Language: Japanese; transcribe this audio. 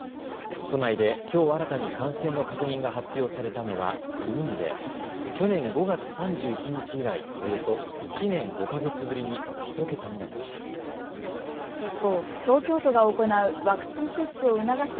都内できょう新たに感染の確認が発表されたのは９人で去年５月３１日以来、およそ１年５か月ぶりに１桁になりました。